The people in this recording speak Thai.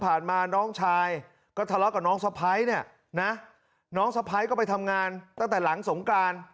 น้องชายก็ทะเลาะกับน้องสะพ้ายเนี่ยนะน้องสะพ้ายก็ไปทำงานตั้งแต่หลังสงกราน